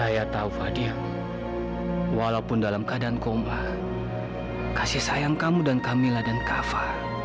ya allah bagaimana ini